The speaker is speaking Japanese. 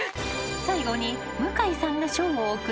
［最後に］